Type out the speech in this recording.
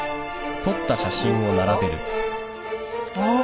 あっ。